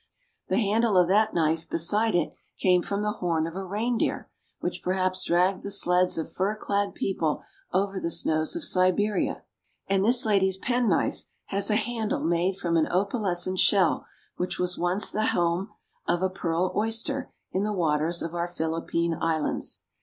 The handle of that knife beside it came from the horn of a reindeer, which perhaps dragged the sleds of fur clad people over the snows of Siberia ; and this lady's penknife has a handle made from an opalescent shell which was once the house of a pearl oyster in the waters of our Philippine Islands.